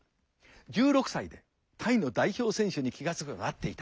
１６歳でタイの代表選手に気が付けばなっていた。